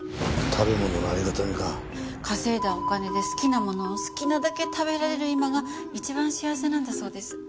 稼いだお金で好きなものを好きなだけ食べられる今が一番幸せなんだそうです。